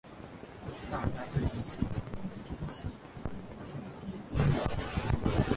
大家对不起，我没出息，忍不住结晶了